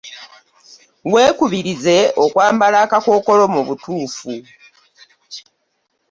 Wekubirize okwambala akakokolo mu butuufu.